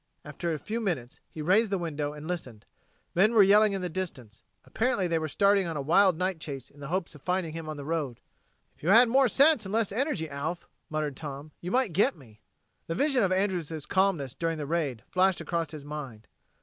After a few minutes, he raised the window and listened. Men were yelling in the distance. Apparently they were starting on a wild night chase in the hopes of finding him on the road. "If you had more sense and less energy, Alf," muttered Tom, "you might get me." The vision of Andrews' calmness during the raid flashed across his mind.